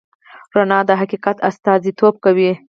رڼا د حقیقت استازیتوب کوي.